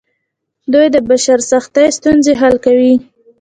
دوی د بشر سختې ستونزې حل کوي.